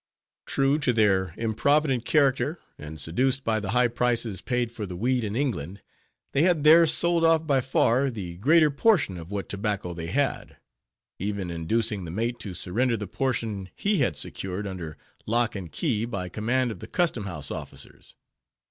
True to their improvident character, and seduced by the high prices paid for the weed in England, they had there sold off by far the greater portion of what tobacco they had; even inducing the mate to surrender the portion he had secured under lock and key by command of the Custom house officers.